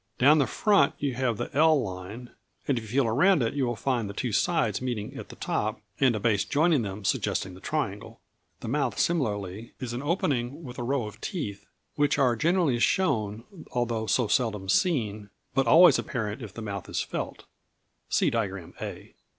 Down the front you have the L line, and if you feel round it you will find the two sides meeting at the top and a base joining them, suggesting the triangle. The mouth similarly is an opening with a row of teeth, which are generally shown although so seldom seen, but always apparent if the mouth is felt (see diagram A).